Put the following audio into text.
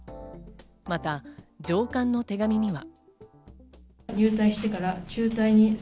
また上官の手紙には。